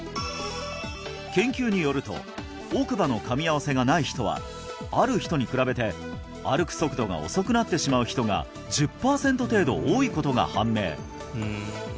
研究によると奥歯の噛み合わせがない人はある人に比べて歩く速度が遅くなってしまう人が１０パーセント程度多いことが判明